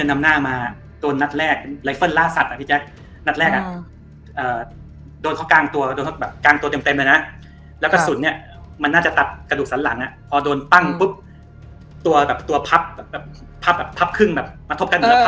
มันแรงนะไลเฟิลน่ะเออเออน่าจะตัดเป็นตุกสันหลังพอดี